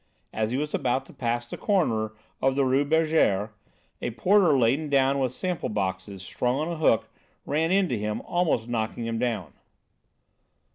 As he was about to pass the corner of the Rue Bergère, a porter laden down with sample boxes, strung on a hook, ran into him, almost knocking him down.